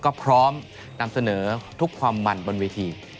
ก็พร้อมนำเสนอทุกความมันบนเวที